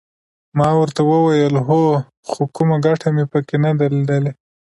ما ورته وویل هو خو کومه ګټه مې پکې نه ده لیدلې.